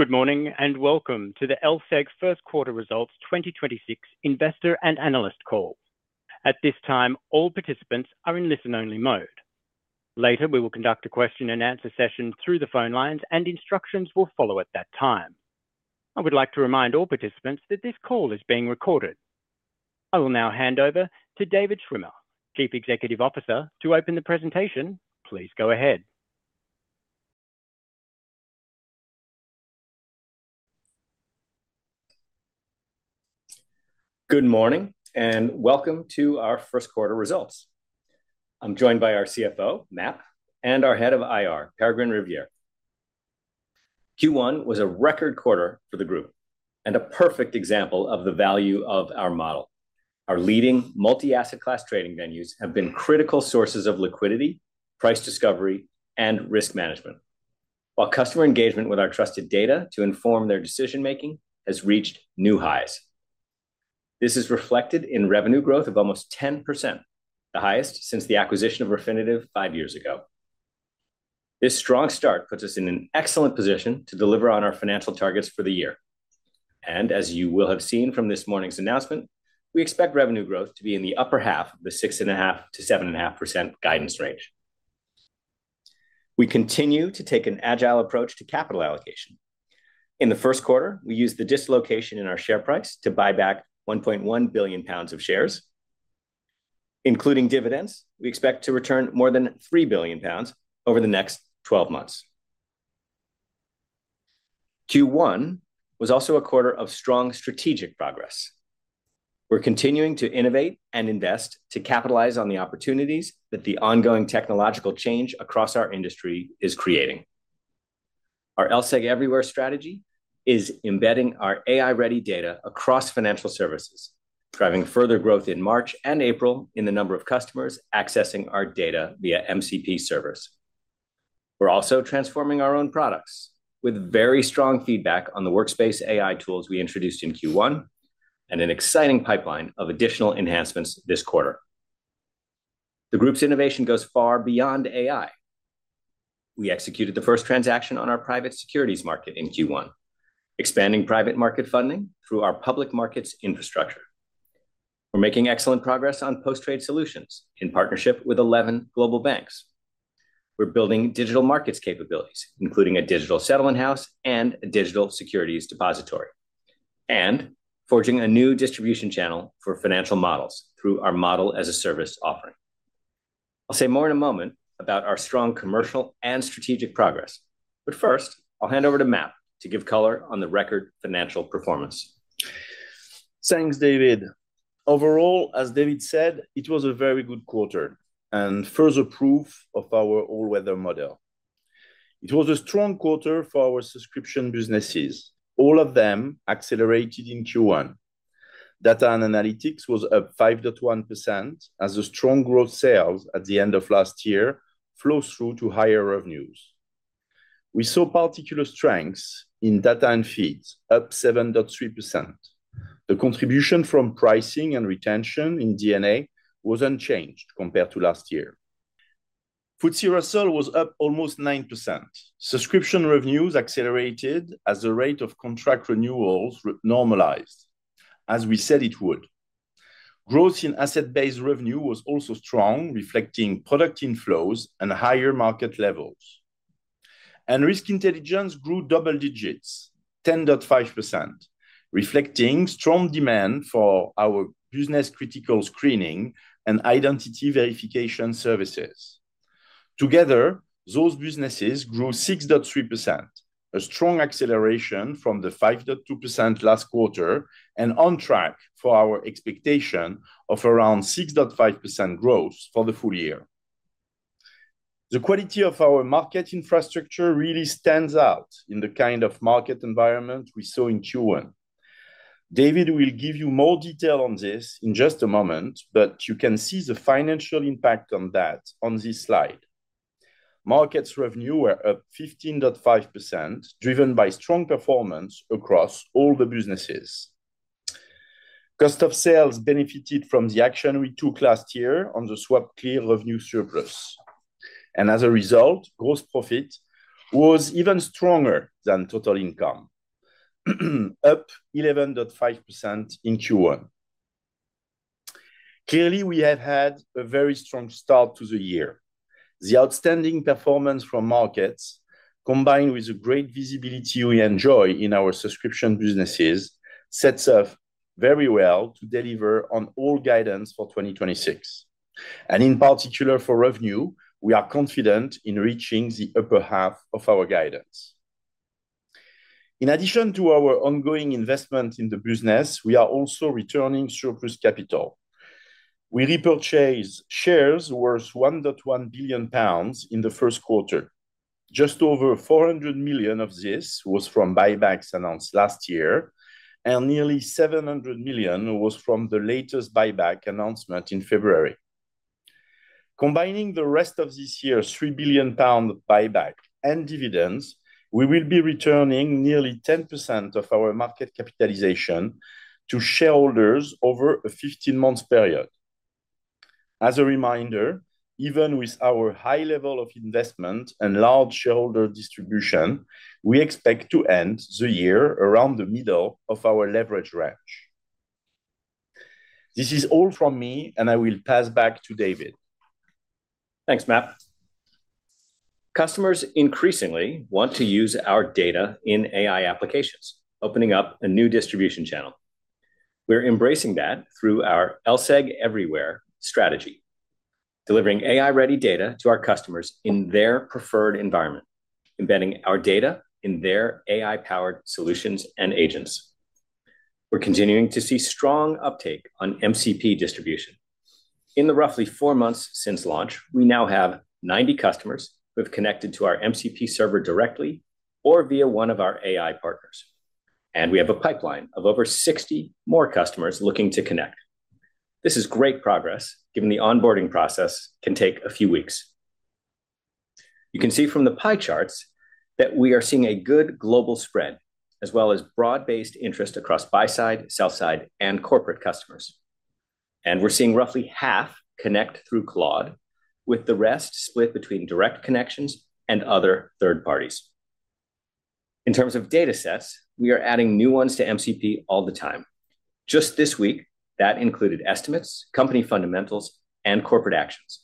Good morning, and welcome to the LSEG's Q1 Results 2026 Investor and Analyst Call. At this time, all participants are in listen-only mode. Later, we will conduct a question-and-answer session through the phone lines, and instructions will follow at that time. I would like to remind all participants that this call is being recorded. I will now hand over to David Schwimmer, Chief Executive Officer, to open the presentation. Please go ahead. Good morning, and welcome to our Q1 results. I'm joined by our CFO, Michel-Alain Proch, and our head of IR, Peregrine Rivière. Q1 was a record quarter for the group and a perfect example of the value of our model. Our leading multi-asset class trading venues have been critical sources of liquidity, price discovery, and risk management. While customer engagement with our trusted data to inform their decision-making has reached new highs. This is reflected in revenue growth of almost 10%, the highest since the acquisition of Refinitiv five years ago. This strong start puts us in an excellent position to deliver on our financial targets for the year. As you will have seen from this morning's announcement, we expect revenue growth to be in the upper half of the 6.5%-7.5% guidance range. We continue to take an agile approach to capital allocation. In the Q1, we used the dislocation in our share price to buy back 1.1 billion pounds of shares. Including dividends, we expect to return more than 3 billion pounds over the next 12 months. Q1 was also a quarter of strong strategic progress. We're continuing to innovate and invest to capitalize on the opportunities that the ongoing technological change across our industry is creating. Our LSEG Everywhere strategy is embedding our AI-ready data across financial services, driving further growth in March and April in the number of customers accessing our data via MCP servers. We're also transforming our own products with very strong feedback on the Workspace AI tools we introduced in Q1, and an exciting pipeline of additional enhancements this quarter. The group's innovation goes far beyond AI. We executed the first transaction on our Private Securities Market in Q1, expanding private market funding through our public markets infrastructure. We're making excellent progress on Post-Trade Solutions in partnership with 11 global banks. We're building digital markets capabilities, including a Digital Settlement House and a Digital Securities Depository. Forging a new distribution channel for financial models through our Model-as-a-Service offering. I'll say more in a moment about our strong commercial and strategic progress. First, I'll hand over to Michel to give color on the record financial performance. Thanks, David. Overall, as David said, it was a very good quarter, and further proof of our all-weather model. It was a strong quarter for our subscription businesses. All of them accelerated in Q1. Data and Analytics was up 5.1% as the strong growth sales at the end of last year flows through to higher revenues. We saw particular strengths in data and feeds, up 7.3%. The contribution from pricing and retention in DNA was unchanged compared to last year. FTSE Russell was up almost 9%. Subscription revenues accelerated as the rate of contract renewals normalized, as we said it would. Growth in asset-based revenue was also strong, reflecting product inflows and higher market levels. Risk Intelligence grew double digits, 10.5%, reflecting strong demand for our business-critical screening and identity verification services. Together, those businesses grew 6.3%, a strong acceleration from the 5.2% last quarter, and on track for our expectation of around 6.5% growth for the full year. The quality of our market infrastructure really stands out in the kind of market environment we saw in Q1. David will give you more detail on this in just a moment, but you can see the financial impact on that on this slide. Markets revenue were up 15.5%, driven by strong performance across all the businesses. Cost of sales benefited from the action we took last year on the SwapClear revenue surplus. As a result, gross profit was even stronger than total income, up 11.5% in Q1. Clearly, we have had a very strong start to the year. The outstanding performance from markets, combined with the great visibility we enjoy in our subscription businesses, sets off very well to deliver on all guidance for 2026. In particular for revenue, we are confident in reaching the upper half of our guidance. In addition to our ongoing investment in the business, we are also returning surplus capital. We repurchased shares worth 1.1 billion pounds in the Q1. Just over 400 million of this was from buybacks announced last year, and nearly 700 million was from the latest buyback announcement in February. Combining the rest of this year's 3 billion pound buyback and dividends, we will be returning nearly 10% of our market capitalization to shareholders over a 15-month period. As a reminder, even with our high level of investment and large shareholder distribution, we expect to end the year around the middle of our leverage range. This is all from me, and I will pass back to David. Thanks, Michel. Customers increasingly want to use our data in AI applications, opening up a new distribution channel. We're embracing that through our LSEG Everywhere strategy, delivering AI-ready data to our customers in their preferred environment, embedding our data in their AI-powered solutions and agents. We're continuing to see strong uptake on MCP distribution. In the roughly four months since launch, we now have 90 customers who have connected to our MCP server directly or via one of our AI partners, and we have a pipeline of over 60 more customers looking to connect. This is great progress, given the onboarding process can take a few weeks. You can see from the pie charts that we are seeing a good global spread, as well as broad-based interest across buy side, sell side, and corporate customers. We're seeing roughly half connect through Claude, with the rest split between direct connections and other third parties. In terms of data sets, we are adding new ones to MCP all the time. Just this week, that included estimates, company fundamentals, and corporate actions.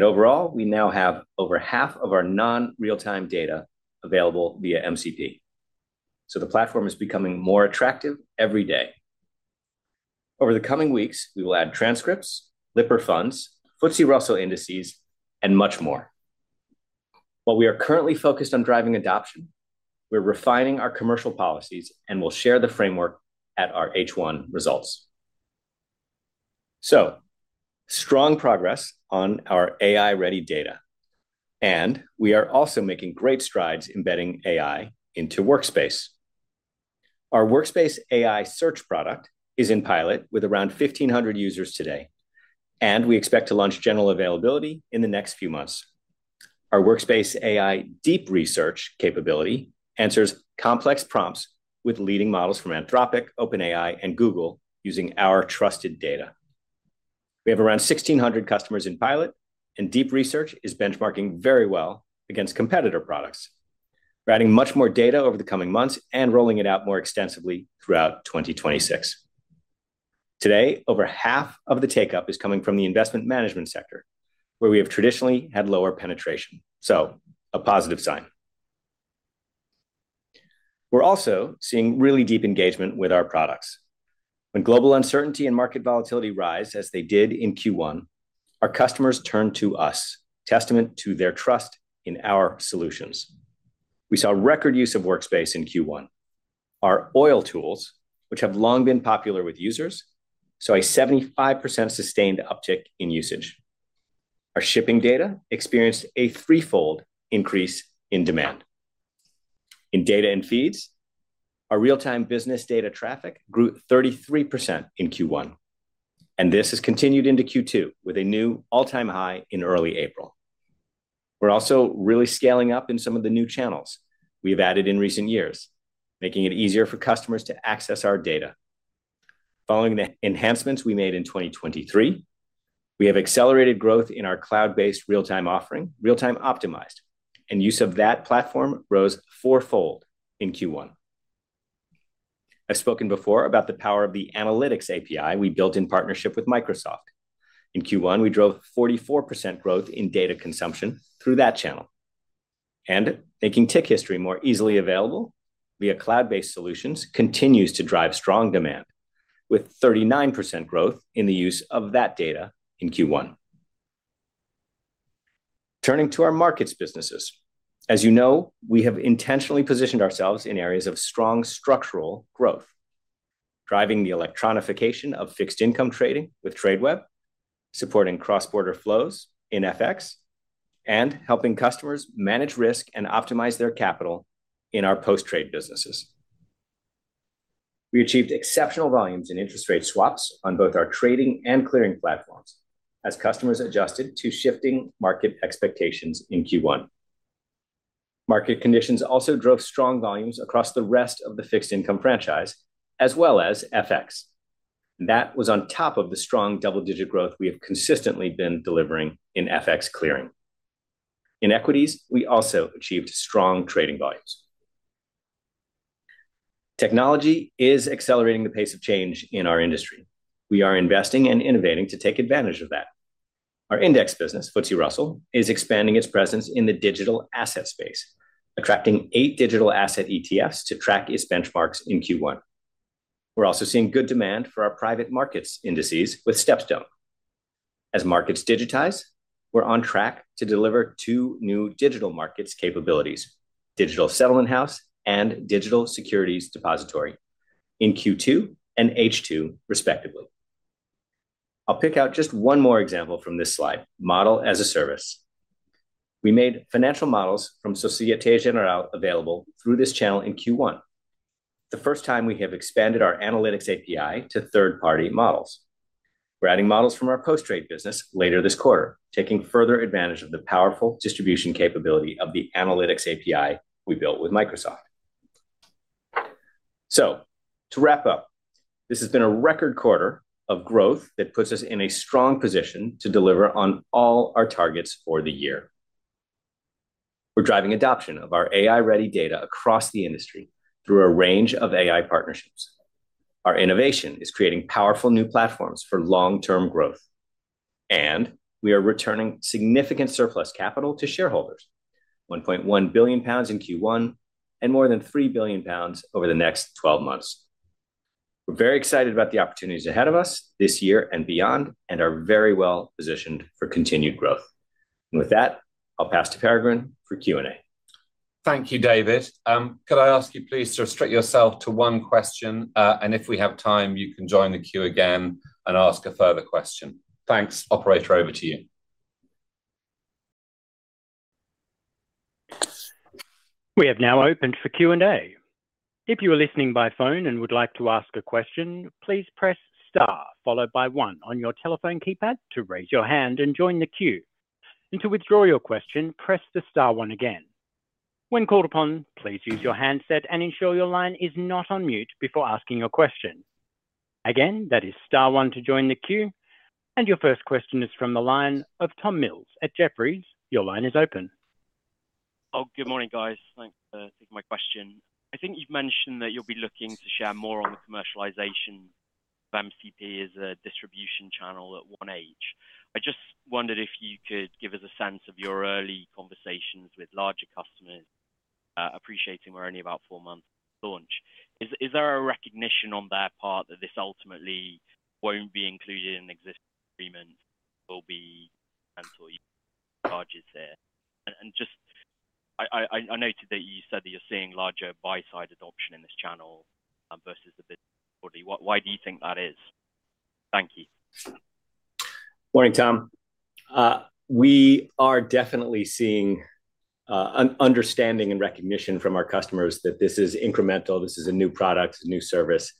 Overall, we now have over half of our non-real-time data available via MCP. The platform is becoming more attractive every day. Over the coming weeks, we will add transcripts, Lipper funds, FTSE Russell indices, and much more. While we are currently focused on driving adoption, we're refining our commercial policies and will share the framework at our H1 results. Strong progress on our AI-ready data, and we are also making great strides embedding AI into Workspace. Our Workspace AI search product is in pilot with around 1,500 users today, and we expect to launch general availability in the next few months. Our Workspace AI deep research capability answers complex prompts with leading models from Anthropic, OpenAI, and Google using our trusted data. We have around 1,600 customers in pilot, and deep research is benchmarking very well against competitor products. We're adding much more data over the coming months and rolling it out more extensively throughout 2026. Today, over half of the take-up is coming from the investment management sector, where we have traditionally had lower penetration. A positive sign. We're also seeing really deep engagement with our products. When global uncertainty and market volatility rise, as they did in Q1, our customers turn to us, testament to their trust in our solutions. We saw record use of Workspace in Q1. Our oil tools, which have long been popular with users, saw a 75% sustained uptick in usage. Our shipping data experienced a threefold increase in demand. In data and feeds, our real-time business data traffic grew 33% in Q1, and this has continued into Q2 with a new all-time high in early April. We're also really scaling up in some of the new channels we've added in recent years, making it easier for customers to access our data. Following the enhancements we made in 2023, we have accelerated growth in our cloud-based real-time offering, Real-Time -Optimized, and use of that platform rose fourfold in Q1. I've spoken before about the power of the Analytics API we built in partnership with Microsoft. In Q1, we drove 44% growth in data consumption through that channel. Making tick history more easily available via cloud-based solutions continues to drive strong demand, with 39% growth in the use of that data in Q1. Turning to our markets businesses. As you know, we have intentionally positioned ourselves in areas of strong structural growth, driving the electronification of fixed-income trading with Tradeweb, supporting cross-border flows in FX, and helping customers manage risk and optimize their capital in our post-trade businesses. We achieved exceptional volumes in interest rate swaps on both our trading and clearing platforms as customers adjusted to shifting market expectations in Q1. Market conditions also drove strong volumes across the rest of the fixed-income franchise, as well as FX. That was on top of the strong double-digit growth we have consistently been delivering in FX clearing. In equities, we also achieved strong trading volumes. Technology is accelerating the pace of change in our industry. We are investing and innovating to take advantage of that. Our index business, FTSE Russell, is expanding its presence in the digital asset space, attracting eight digital asset ETFs to track its benchmarks in Q1. We're also seeing good demand for our private markets indices with StepStone. As markets digitize, we're on track to deliver two new digital markets capabilities, Digital Settlement House and Digital Securities Depository, in Q2 and H2 respectively. I'll pick out just one more example from this slide, Model-as-a-Service. We made financial models from Société Générale available through this channel in Q1, the first time we have expanded our Analytics API to third-party models. We're adding models from our post-trade business later this quarter, taking further advantage of the powerful distribution capability of the Analytics API we built with Microsoft. To wrap up, this has been a record quarter of growth that puts us in a strong position to deliver on all our targets for the year. We're driving adoption of our AI-ready data across the industry through a range of AI partnerships. Our innovation is creating powerful new platforms for long-term growth, and we are returning significant surplus capital to shareholders, 1.1 billion pounds in Q1 and more than 3 billion pounds over the next 12 months. We're very excited about the opportunities ahead of us this year and beyond and are very well-positioned for continued growth. With that, I'll pass to Peregrine for Q&A. Thank you, David. Could I ask you please to restrict yourself to one question, and if we have time, you can join the queue again and ask a further question. Thanks. Operator, over to you. We have now opened for Q&A. If you are listening by phone and would like to ask a question, please press star followed by one on your telephone keypad to raise your hand and join the queue. To withdraw your question, press the star one again. When called upon, please use your handset and ensure your line is not on mute before asking your question. Again, that is star one to join the queue. Your first question is from the line of Tom Mills at Jefferies. Your line is open. Oh, good morning, guys. Thanks for taking my question. I think you've mentioned that you'll be looking to share more on the commercialization of MCP as a distribution channel at H1. I just wondered if you could give us a sense of your early conversations with larger customers, appreciating we're only about four months post-launch. Is there a recognition on their part that this ultimately won't be included in existing agreements or be charged there? I noted that you said that you're seeing larger buy side adoption in this channel versus the web. Why do you think that is? Thank you. Morning, Tom. We are definitely seeing an understanding and recognition from our customers that this is incremental, this is a new product, a new service.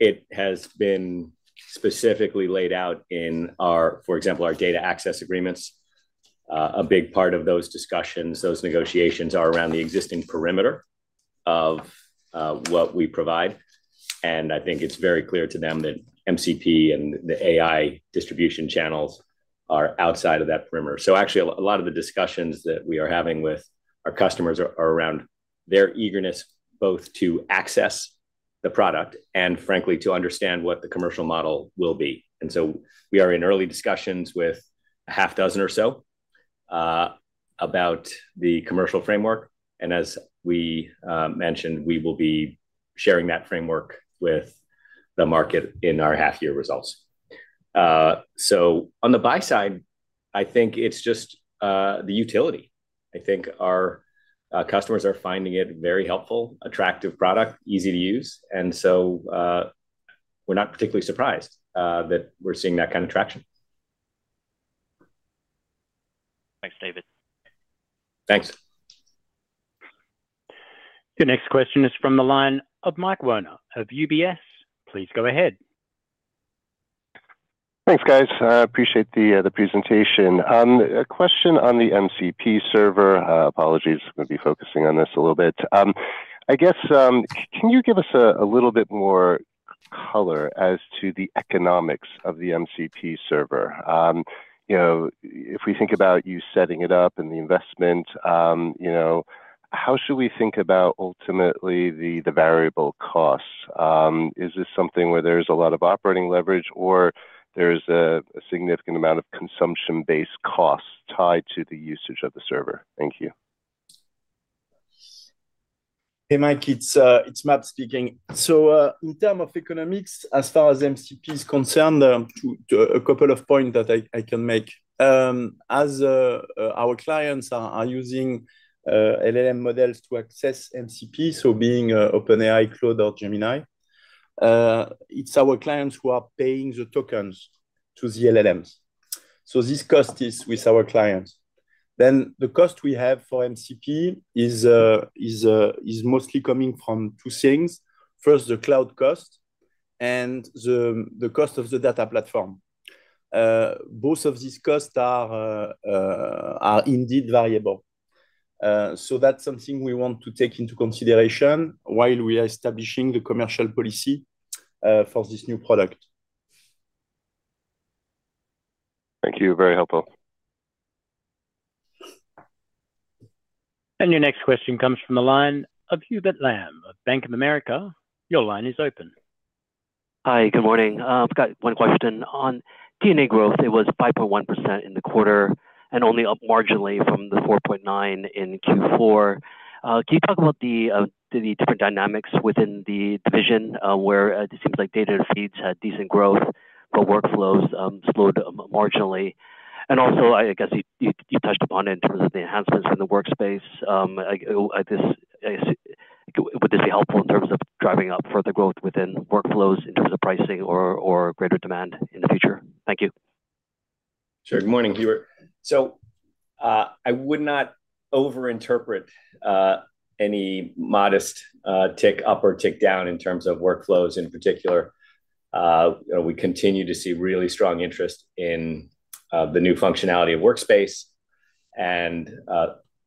It has been specifically laid out in, for example, our data access agreements. A big part of those discussions, those negotiations, are around the existing perimeter of what we provide, and I think it's very clear to them that MCP and the AI distribution channels are outside of that perimeter. Actually, a lot of the discussions that we are having with our customers are around their eagerness, both to access the product and frankly, to understand what the commercial model will be. We are in early discussions with a half dozen or so about the commercial framework. As we mentioned, we will be sharing that framework with the market in our half year results. On the buy side, I think it's just the utility. I think our customers are finding it very helpful, attractive product, easy to use. We're not particularly surprised that we're seeing that kind of traction. Thanks, David. Thanks. The next question is from the line of Michael Werner of UBS. Please go ahead. Thanks, guys. I appreciate the presentation. A question on the MCP server. Apologies, I'm going to be focusing on this a little bit. I guess, can you give us a little bit more color as to the economics of the MCP server? If we think about you setting it up and the investment, how should we think about ultimately the variable costs? Is this something where there's a lot of operating leverage or there's a significant amount of consumption-based costs tied to the usage of the server? Thank you. Hey, Mike, it's Michel speaking. In terms of economics, as far as MCP is concerned, a couple of points that I can make. As our clients are using LLM models to access MCP, such as OpenAI, Claude, or Gemini, it's our clients who are paying the tokens to the LLMs. This cost is with our clients. The cost we have for MCP is mostly coming from two things. First, the cloud cost and the cost of the data platform. Both of these costs are indeed variable. That's something we want to take into consideration while we are establishing the commercial policy for this new product. Thank you. Very helpful. Your next question comes from the line of Hubert Lam of Bank of America. Your line is open. Hi, good morning. I've got one question. On DNA growth, it was 5.1% in the quarter and only up marginally from the 4.9% in Q4. Can you talk about the different dynamics within the division where it seems like data and feeds had decent growth, but workflows slowed marginally. Also, I guess you touched upon it in terms of the enhancements in the Workspace. Would this be helpful in terms of driving up further growth within workflows in terms of pricing or greater demand in the future? Thank you. Sure. Good morning, Hubert. I would not overinterpret any modest tick up or tick down in terms of workflows in particular. We continue to see really strong interest in the new functionality of Workspace. And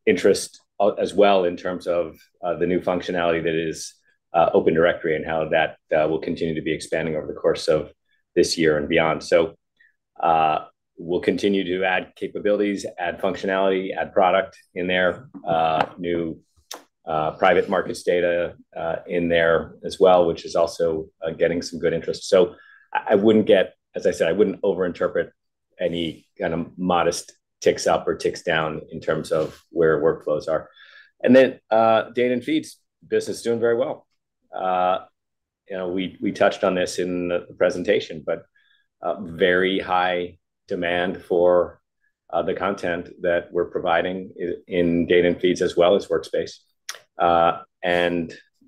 interest as well in terms of the new functionality that is Open Directory and how that will continue to be expanding over the course of this year and beyond. We'll continue to add capabilities, add functionality, add product in there, new private markets data in there as well, which is also getting some good interest. As I said, I wouldn't overinterpret any kind of modest ticks up or ticks down in terms of where workflows are. Data and feeds business is doing very well. We touched on this in the presentation, but very high demand for the content that we're providing in data and feeds as well as Workspace.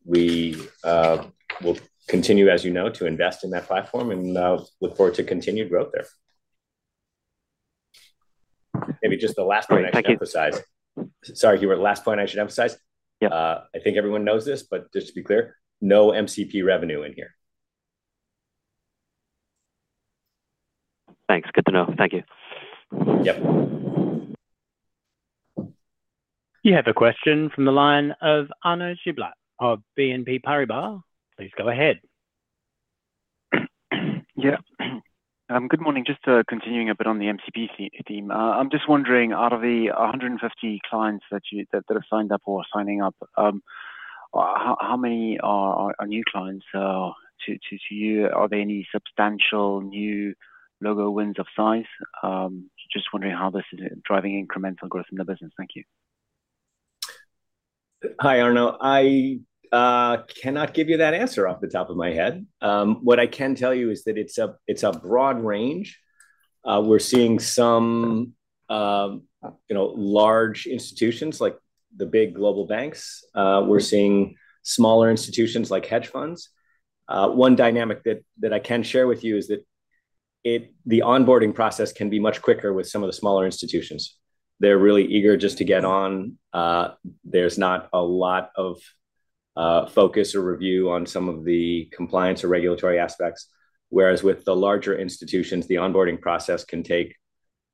We will continue, as you know, to invest in that platform and look forward to continued growth there. Maybe just the last point I should emphasize. Thank you. Sorry, Hugh, last point I should emphasize. Yeah. I think everyone knows this, but just to be clear, no MCP revenue in here. Thanks. Good to know. Thank you. Yep. You have a question from the line of Arnaud Giblat of BNP Paribas. Please go ahead. Yeah. Good morning. Just continuing a bit on the MCP theme. I'm just wondering, out of the 150 clients that have signed up or are signing up, how many are new clients to you? Are there any substantial new logo wins of size? Just wondering how this is driving incremental growth in the business. Thank you. Hi, Arnaud. I cannot give you that answer off the top of my head. What I can tell you is that it's a broad range. We're seeing some large institutions like the big global banks. We're seeing smaller institutions like hedge funds. One dynamic that I can share with you is that the onboarding process can be much quicker with some of the smaller institutions. They're really eager just to get on. There's not a lot of focus or review on some of the compliance or regulatory aspects. Whereas with the larger institutions, the onboarding process can take,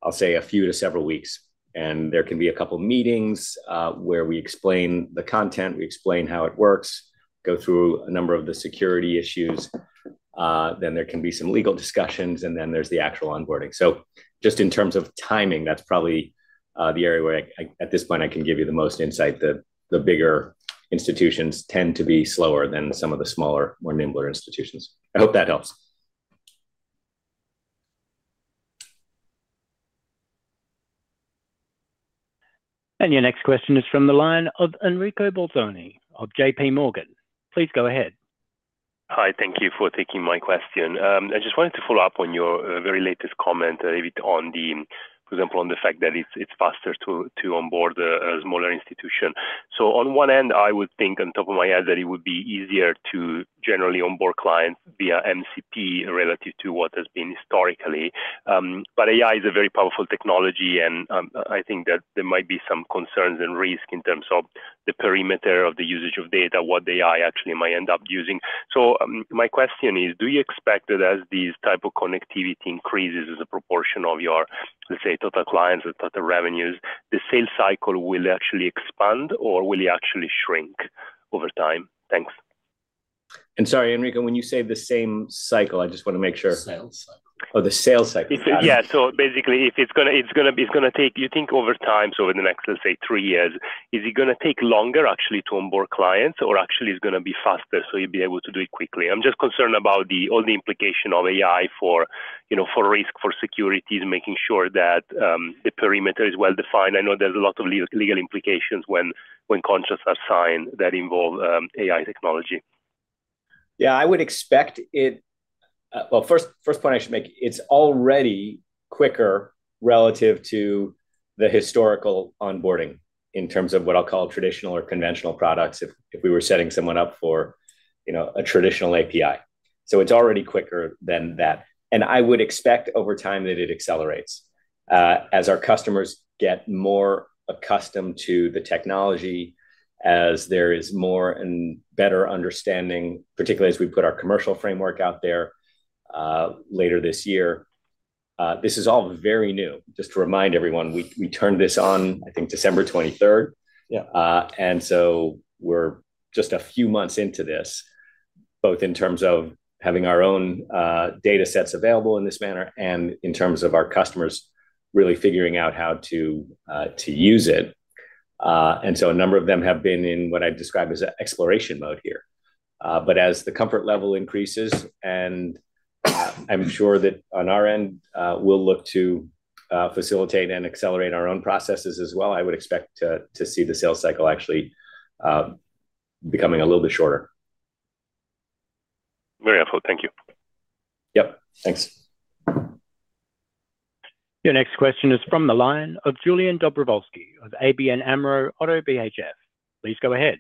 I'll say, a few to several weeks, and there can be a couple of meetings, where we explain the content, we explain how it works, go through a number of the security issues, then there can be some legal discussions, and then there's the actual onboarding. Just in terms of timing, that's probably the area where at this point I can give you the most insight, that the bigger institutions tend to be slower than some of the smaller, more nimbler institutions. I hope that helps. Your next question is from the line of Enrico Bolzoni of JPMorgan. Please go ahead. Hi. Thank you for taking my question. I just wanted to follow up on your very latest comment a bit on the, for example, on the fact that it's faster to onboard a smaller institution. On one end, I would think off the top of my head that it would be easier to generally onboard clients via MCP relative to what has been historically. AI is a very powerful technology, and I think that there might be some concerns and risk in terms of the perimeter of the usage of data, what AI actually might end up using. My question is, do you expect that as these type of connectivity increases as a proportion of your, let's say, total clients or total revenues, the sales cycle will actually expand, or will it actually shrink over time? Thanks. Sorry, Enrico, when you say the same cycle, I just want to make sure. Sales cycle. Oh, the sales cycle. Got it. Yeah. Basically, you think over time, so in the next, let's say, three years, is it going to take longer actually to onboard clients or actually it's going to be faster so you'll be able to do it quickly? I'm just concerned about all the implications of AI for risk, for security, making sure that the perimeter is well-defined. I know there's a lot of legal implications when contracts are signed that involve AI technology. Yeah, I would expect it. Well, first point I should make, it's already quicker relative to the historical onboarding in terms of what I'll call traditional or conventional products, if we were setting someone up for a traditional API. It's already quicker than that. I would expect over time that it accelerates, as our customers get more accustomed to the technology, as there is more and better understanding, particularly as we put our commercial framework out there, later this year. This is all very new. Just to remind everyone, we turned this on, I think, December 23rd. Yeah. We're just a few months into this, both in terms of having our own data sets available in this manner and in terms of our customers really figuring out how to use it. A number of them have been in what I've described as exploration mode here. As the comfort level increases, and I'm sure that on our end, we'll look to facilitate and accelerate our own processes as well. I would expect to see the sales cycle actually becoming a little bit shorter. Very helpful. Thank you. Yep. Thanks. Your next question is from the line of Julian Dobrovolschi of ABN AMRO ODDO BHF. Please go ahead.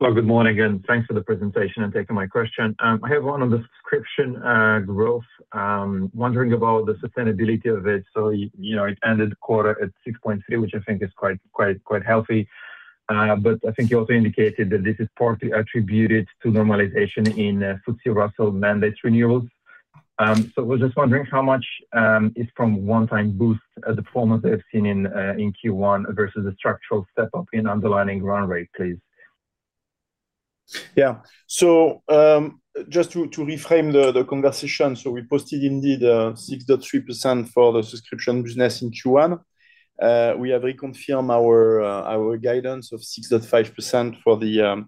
Well, good morning, and thanks for the presentation and taking my question. I have one on the subscription growth. I'm wondering about the sustainability of it. It ended the quarter at 6.3%, which I think is quite healthy. But I think you also indicated that this is partly attributed to normalization in FTSE Russell mandate renewals. I was just wondering how much is from one-time boost to the performance we have seen in Q1 versus a structural step-up in underlying run rate, please. Yeah. Just to reframe the conversation, we posted indeed a 6.3% for the subscription business in Q1. We have reconfirmed our guidance of 6.5% for the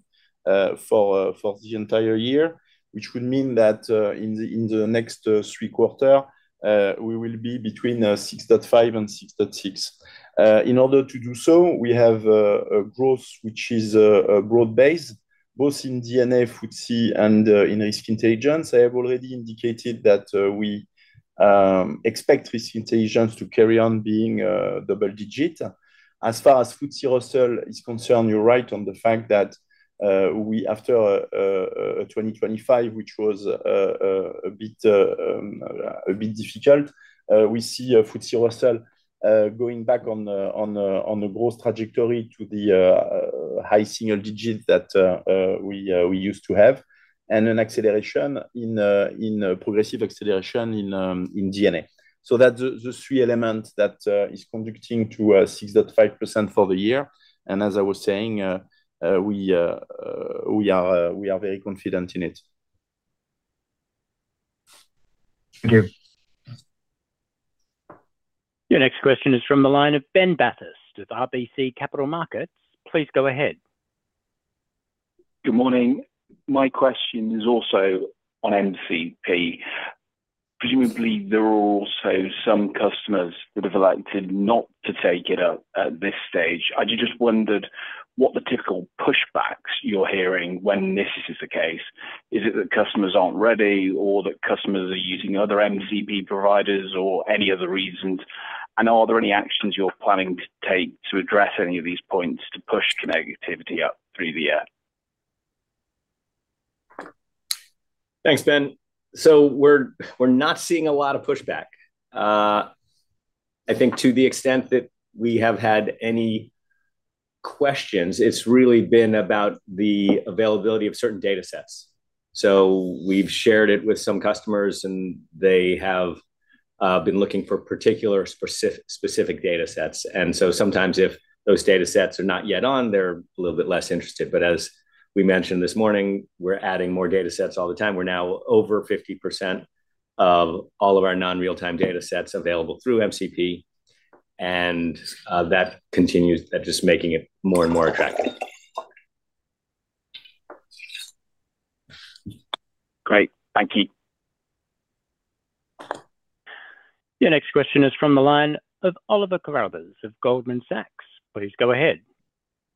entire year, which would mean that in the next three quarter, we will be between 6.5% and 6.6%. In order to do so, we have a growth which is broad-based, both in DNA, FTSE and in Risk Intelligence. I have already indicated that we expect Risk Intelligence to carry on being double digit. As far as FTSE Russell is concerned, you're right on the fact that after 2025, which was a bit difficult, we see FTSE Russell going back on the growth trajectory to the high single digit that we used to have. Progressive acceleration in DNA. That's the three elements that is conducting to a 6.5% for the year and as I was saying, we are very confident in it. Thank you. Your next question is from the line of Ben Bathurst of RBC Capital Markets. Please go ahead. Good morning. My question is also on MCP. Presumably, there are also some customers that have elected not to take it up at this stage. I just wondered what the typical pushbacks you're hearing when this is the case. Is it that customers aren't ready or that customers are using other MCP providers or any other reasons? Are there any actions you're planning to take to address any of these points to push connectivity up through the year? Thanks, Ben. We're not seeing a lot of pushback. I think to the extent that we have had any questions, it's really been about the availability of certain datasets. We've shared it with some customers, and they have been looking for particular specific datasets. Sometimes if those datasets are not yet on, they're a little bit less interested. As we mentioned this morning, we're adding more datasets all the time. We're now over 50% of all of our non-real-time datasets available through MCP. That continues at just making it more and more attractive. Great. Thank you. Your next question is from the line of Oliver Carruthers of Goldman Sachs. Please go ahead.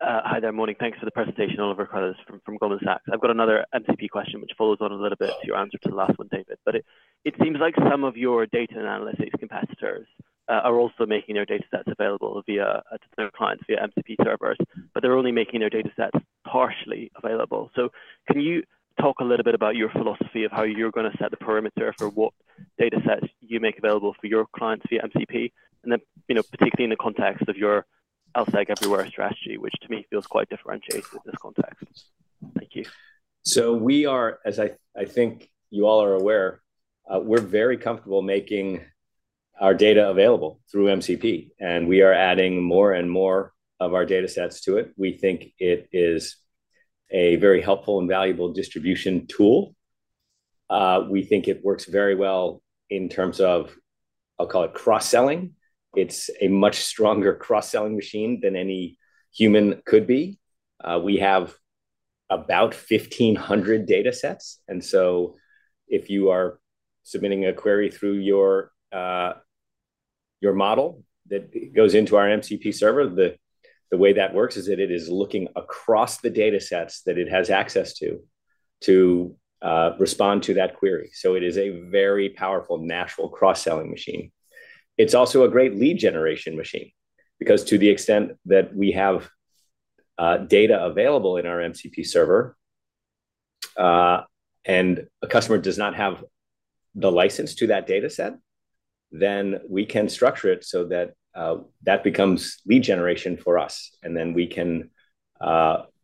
Hi there. Morning. Thanks for the presentation. Oliver Carruthers from Goldman Sachs. I've got another MCP question which follows on a little bit to your answer to the last one, David. It seems like some of your data and analytics competitors are also making their datasets available via their clients, via MCP servers, but they're only making their datasets partially available. Can you talk a little bit about your philosophy of how you're going to set the parameter for what datasets you make available for your clients via MCP? Particularly in the context of your LSEG Everywhere strategy, which to me feels quite differentiated in this context. Thank you. We are, as I think you all are aware, we're very comfortable making our data available through MCP, and we are adding more and more of our datasets to it. We think it is a very helpful and valuable distribution tool. We think it works very well in terms of, I'll call it cross-selling. It's a much stronger cross-selling machine than any human could be. We have about 1,500 datasets, and so if you are submitting a query through your model that goes into our MCP server, the way that works is that it is looking across the datasets that it has access to respond to that query. It is a very powerful natural cross-selling machine. It's also a great lead generation machine, because to the extent that we have data available in our MCP server, and a customer does not have the license to that dataset, then we can structure it so that that becomes lead generation for us, and then we can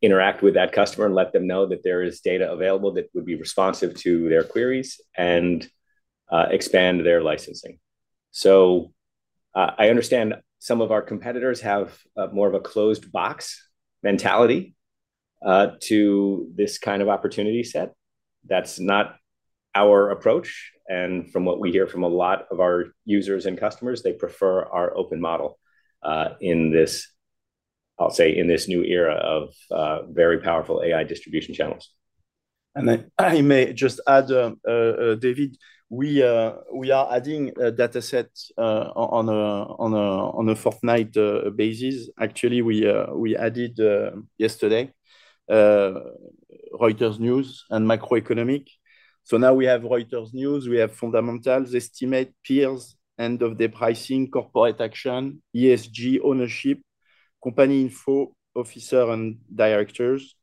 interact with that customer and let them know that there is data available that would be responsive to their queries and expand their licensing. So I understand some of our competitors have more of a closed box mentality to this kind of opportunity set. That's not our approach. From what we hear from a lot of our users and customers, they prefer our open model, I'll say, in this new era of very powerful AI distribution channels. I may just add, David, we are adding a dataset on a fortnight basis. Actually, we added yesterday, Reuters News and Macroeconomic. Now we have Reuters News, we have fundamentals estimate, peers, end-of-day pricing, corporate action, ESG, ownership, company info, officers and directors,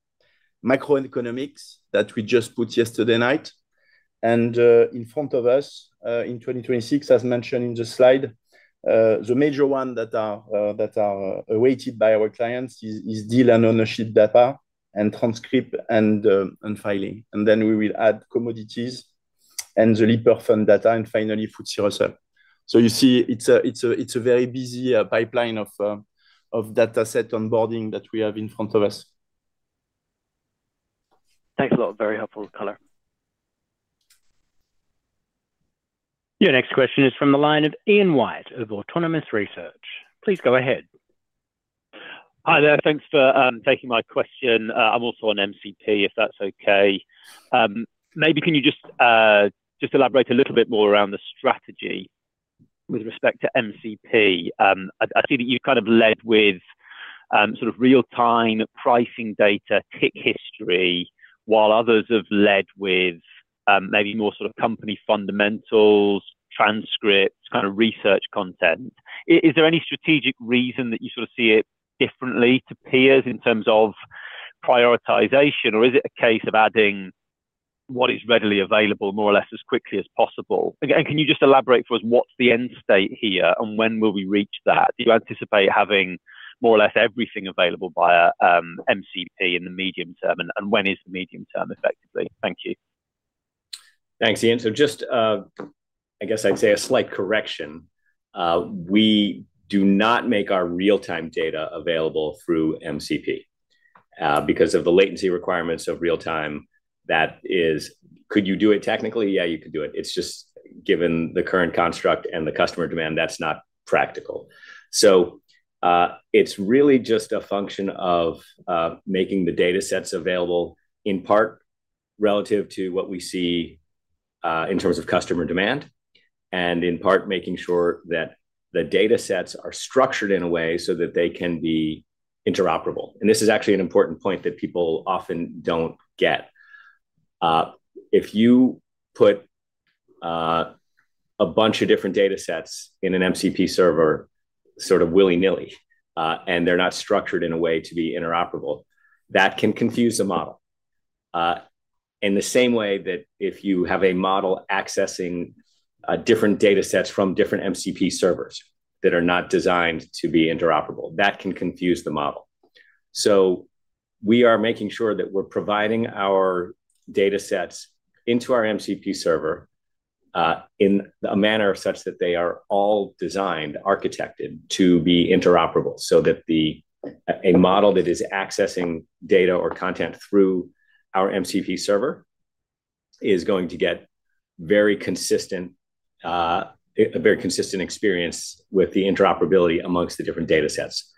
Macroeconomics that we just put yesterday night. In front of us, in 2026, as mentioned in the slide, the major one that are awaited by our clients is deal and ownership data and transcript and filing. We will add commodities and the Lipper fund data, and finally, FTSE Russell. You see, it's a very busy pipeline of data set onboarding that we have in front of us. Thanks a lot. Very helpful color. Your next question is from the line of Ian White of Autonomous Research. Please go ahead. Hi there. Thanks for taking my question. I'm also on MCP if that's okay. Maybe can you just elaborate a little bit more around the strategy with respect to MCP. I see that you've led with real-time pricing data, Tick History, while others have led with maybe more company fundamentals, transcripts, research content. Is there any strategic reason that you sort of see it differently to peers in terms of prioritization? Or is it a case of adding what is readily available more or less as quickly as possible? Again, can you just elaborate for us what's the end state here, and when will we reach that? Do you anticipate having more or less everything available via MCP in the medium-term? And when is the medium term, effectively? Thank you. Thanks, Ian. Just, I guess I'd say a slight correction. We do not make our real-time data available through MCP. Because of the latency requirements of real-time, could you do it technically? Yeah, you could do it. It's just, given the current construct and the customer demand, that's not practical. It's really just a function of making the data sets available, in part, relative to what we see, in terms of customer demand, and in part, making sure that the data sets are structured in a way so that they can be interoperable. This is actually an important point that people often don't get. If you put a bunch of different data sets in an MCP server sort of willy-nilly, and they're not structured in a way to be interoperable, that can confuse the model. In the same way that if you have a model accessing different data sets from different MCP servers that are not designed to be interoperable, that can confuse the model. We are making sure that we're providing our data sets into our MCP server, in a manner such that they are all designed, architected, to be interoperable, so that a model that is accessing data or content through our MCP server is going to get a very consistent experience with the interoperability amongst the different data sets,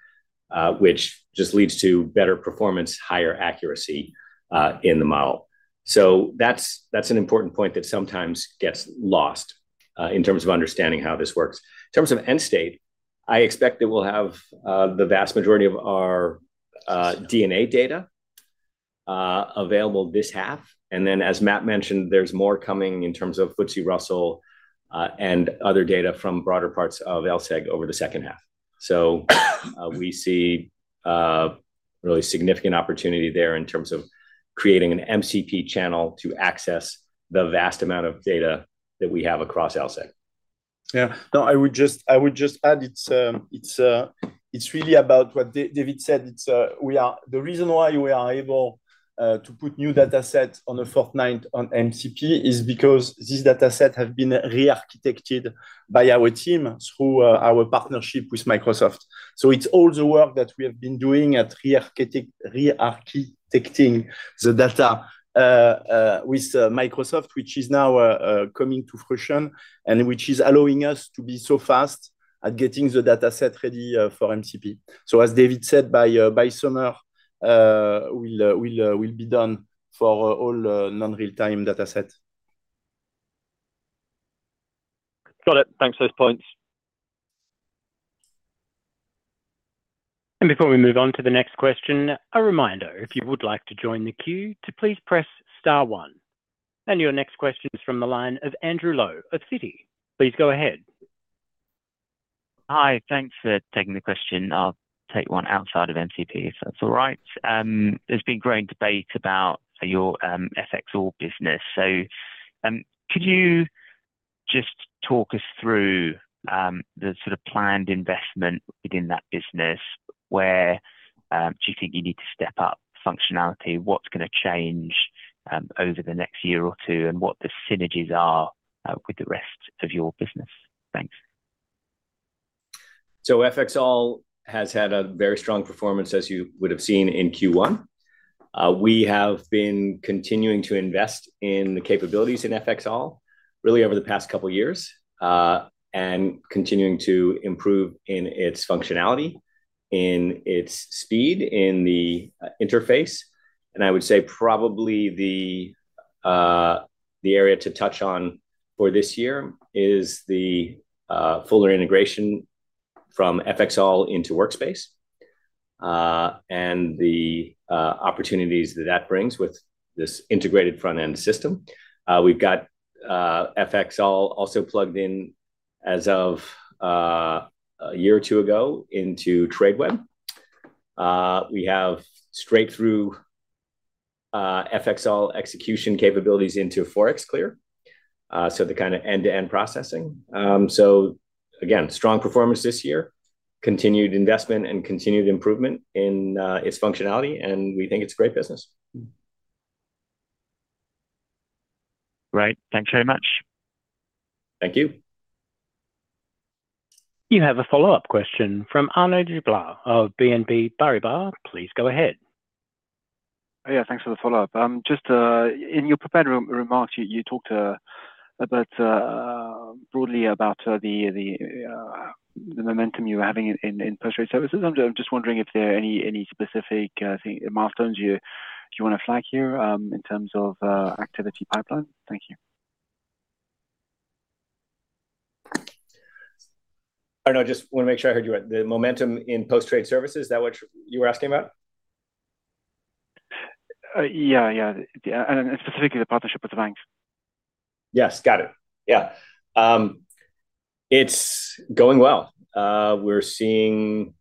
which just leads to better performance, higher accuracy, in the model. That's an important point that sometimes gets lost, in terms of understanding how this works. In terms of end state, I expect that we'll have the vast majority of our DNA data available this half. As Michel mentioned, there's more coming in terms of FTSE Russell, and other data from broader parts of LSEG over the H2. We see a really significant opportunity there in terms of creating an MCP channel to access the vast amount of data that we have across LSEG. Yeah. No, I would just add, it's really about what David said. The reason why we are able to put new data sets on the platform on MCP is because this data set have been re-architected by our team through our partnership with Microsoft. It's all the work that we have been doing at re-architecting the data with Microsoft, which is now coming to fruition, and which is allowing us to be so fast at getting the data set ready for MCP. As David said, by summer we'll be done for all non-real-time data sets. Got it. Thanks for those points. Before we move on to the next question, a reminder, if you would like to join the queue, to please press star one. Your next question is from the line of Andrew Lowe of Citi. Please go ahead. Hi. Thanks for taking the question. I'll take one outside of MCP, if that's all right. There's been growing debate about your FXall business. Could you just talk us through the sort of planned investment within that business? Where do you think you need to step up functionality? What's going to change over the next year or two, and what the synergies are with the rest of your business? Thanks. FXall has had a very strong performance, as you would have seen in Q1. We have been continuing to invest in the capabilities in FXall really over the past couple of years, and continuing to improve in its functionality, in its speed, in the interface. I would say probably the area to touch on for this year is the fuller integration from FXall into Workspace, and the opportunities that that brings with this integrated front-end system. We've got FXall also plugged in. As of a year or two ago into Tradeweb. We have straight through FXall execution capabilities into ForexClear, so the kind of end-to-end processing. Again, strong performance this year, continued investment and continued improvement in its functionality, and we think it's great business. Great. Thanks very much. Thank you. You have a follow-up question from Arnaud Giblat of BNP Paribas. Please go ahead. Yeah, thanks for the follow-up. Just in your prepared remarks, you talked about, broadly about the momentum you're having in post-trade services. I'm just wondering if there are any specific milestones you want to flag here, in terms of activity pipeline. Thank you. Arnaud, just want to make sure I heard you right, the momentum in post-trade services, is that what you were asking about? Yeah. Specifically, the partnership with the banks. Yes, got it. Yeah. It's going well. We're seeing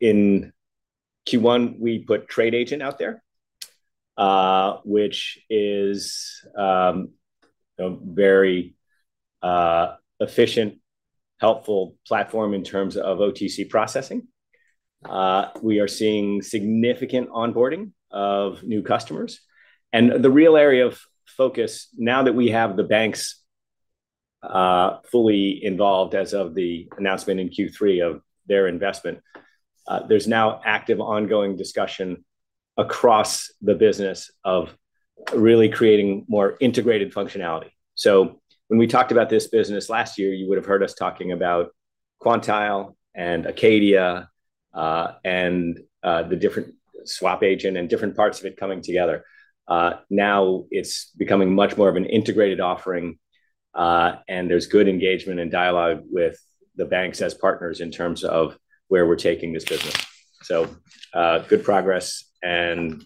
in Q1, we put TradeAgent out there, which is a very efficient, helpful platform in terms of OTC processing. We are seeing significant onboarding of new customers. The real area of focus now that we have the banks fully involved as of the announcement in Q3 of their investment, there's now active, ongoing discussion across the business of really creating more integrated functionality. When we talked about this business last year, you would've heard us talking about Quantile and Acadia, and the different SwapAgent and different parts of it coming together. Now it's becoming much more of an integrated offering, and there's good engagement and dialogue with the banks as partners in terms of where we're taking this business. Good progress and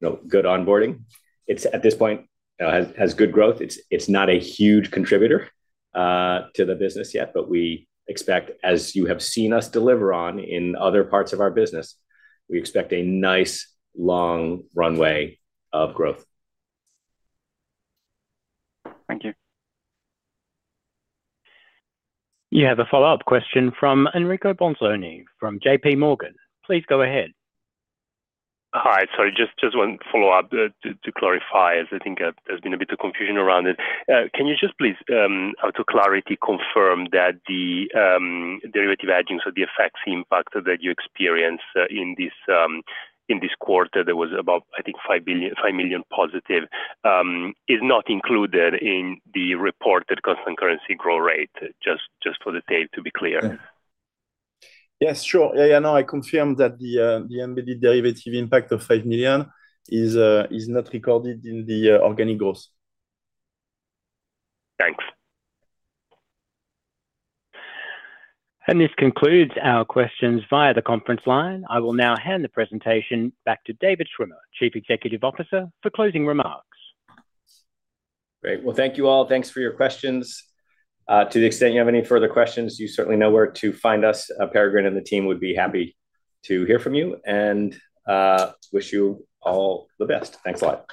good onboarding. It, at this point, has good growth. It's not a huge contributor to the business yet, but we expect, as you have seen us deliver on in other parts of our business, we expect a nice long runway of growth. Thank you. You have a follow-up question from Enrico Bolzoni from JPMorgan. Please go ahead. Hi. Sorry, just one follow-up to clarify as I think there's been a bit of confusion around it. Can you just please, out of clarity, confirm that the derivative hedging, so the FX impact that you experienced in this quarter, there was about, I think, 5 million positive, is not included in the reported constant currency growth rate, just for the tape to be clear? Yes, sure. Yeah, no, I confirm that the embedded derivative impact of 5 million is not recorded in the organic growth. Thanks. This concludes our questions via the conference line. I will now hand the presentation back to David Schwimmer, Chief Executive Officer, for closing remarks. Great. Well, thank you all. Thanks for your questions. To the extent you have any further questions, you certainly know where to find us. Peregrine and the team would be happy to hear from you and wish you all the best. Thanks a lot.